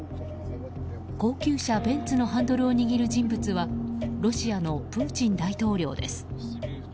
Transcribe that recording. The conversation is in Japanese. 高級車ベンツのハンドルを握る人物はロシアのプーチン大統領です。